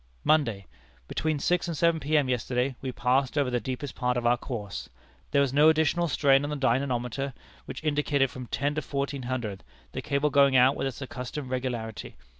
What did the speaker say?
"Monday. Between six and seven P.M. yesterday, we passed over the deepest part of our course. There was no additional strain on the dynamometer, which indicated from ten to fourteen hundred, the cable going out with its accustomed regularity.